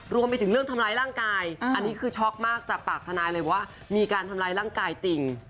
รวมไปถึงเรื่องทำร้ายร่างกายอันนี้คือช็อกมากจากปากทนายเลยว่ามีการทำร้ายร่างกายจริง